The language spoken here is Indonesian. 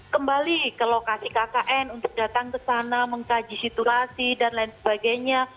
kembali ke lokasi kkn untuk datang ke sana mengkaji situasi dan lain sebagainya